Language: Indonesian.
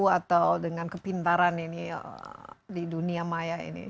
atau dengan kepintaran ini di dunia maya ini